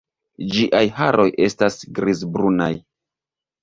Ĝiaj haroj estas grizbrunaj.